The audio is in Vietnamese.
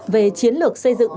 về chiến lược xây dựng